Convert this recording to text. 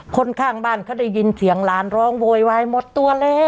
คนข้างบ้านเขาได้ยินเสียงหลานร้องโวยวายหมดตัวแล้ว